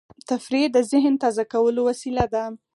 تفریح د ذهن تازه کولو وسیله ده.